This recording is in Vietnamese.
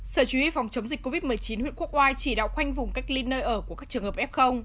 sở y phòng chống dịch covid một mươi chín huyện quốc oai chỉ đạo khoanh vùng cách ly nơi ở của các trường hợp f